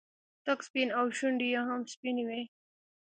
تک سپين ان شونډې يې هم سپينې وې.